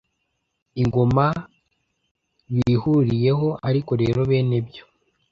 ingoma bihuriyeho, ariko rero bene byo